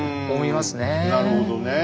なるほどねえ